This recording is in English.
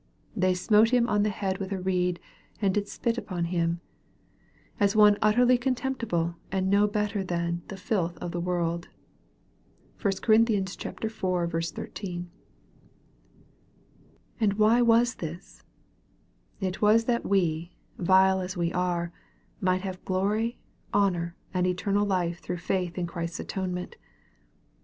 " They smote Him on the head with a reed, and did spit upon Him," as one utterly contemptible, and no better than " the filth of the world/' (1 Cor. iv. 13.) And why was this ? It was that we, vile as we are, might have glory, honor, and eternal life through faith in Christ's atonement.